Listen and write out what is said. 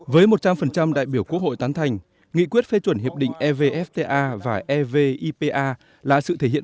với một trăm linh đại biểu quốc hội tán thành nghị quyết phê chuẩn hiệp định evfta và evipa là sự thể hiện